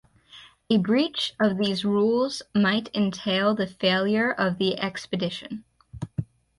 A breach of these rules might entail the failure of the expedition.